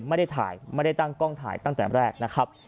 ไม่ได้ถ่ายไม่ได้ตั้งกล้องถ่ายตั้งแต่แรกนะครับ